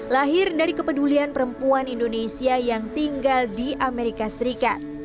lahir dari kepedulian perempuan indonesia yang tinggal di amerika serikat